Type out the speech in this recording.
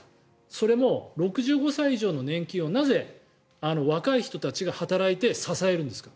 それも６５歳以上の年金をなぜ若い人たちが働いて支えるんですか。